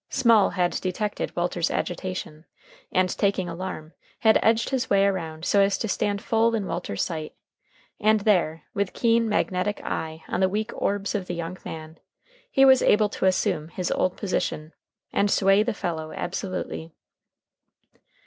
Small had detected Walter's agitation, and, taking alarm, had edged his way around so as to stand full in Walter's sight, and there, with keen, magnetic eye on the weak orbs of the young man, he was able to assume his old position, and sway the fellow absolutely.